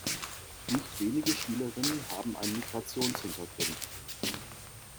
Nicht wenige Schülerinnen haben einen Migrationshintergrund.